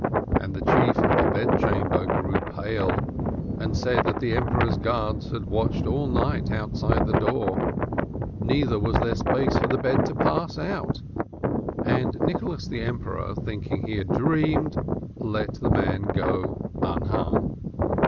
And the chief of the bed chamber grew pale and said that the Emperor's guards had watched all night outside the door, neither was there space for the bed to pass out. And Nicholas the Emperor, thinking he had dreamed, let the man go unhung.